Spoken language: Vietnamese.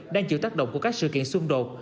đang chịu tác động của các sự kiện xung đột